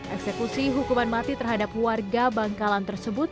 eksekusi hukuman mati terhadap warga bangkalan tersebut